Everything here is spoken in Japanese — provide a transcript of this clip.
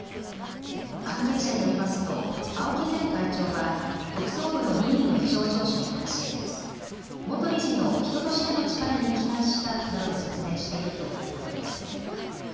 関係者によりますと青木前会長は特捜部の任意の事情聴取に対し元理事の人としての力に期待したなどと説明しているということです。